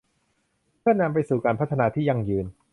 เพื่อนำไปสู่การพัฒนาที่ยั่งยืน